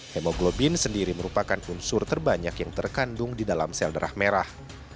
hemoglobin sendiri merupakan unsur terbanyak yang terkandung di dalam sel darah merah